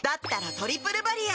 「トリプルバリア」